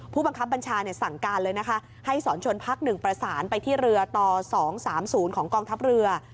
ผู้บังคับบัญชาเนี้ยสั่งการเลยนะคะให้สอนชนพักหนึ่งประสานไปที่เรือต่อสองสามศูนย์ของกองทัพเรือ